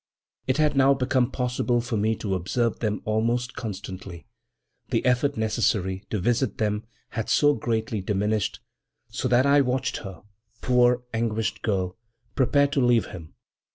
It had now become possible for me to observe them almost constantly, the effort necessary to visit them had so greatly diminished; so that I watched her, poor, anguished girl, prepare to leave him.